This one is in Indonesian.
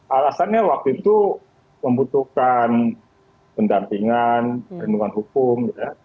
alasannya waktu itu membutuhkan pendampingan perlindungan hukum